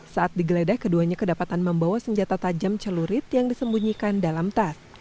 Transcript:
saat digeledah keduanya kedapatan membawa senjata tajam celurit yang disembunyikan dalam tas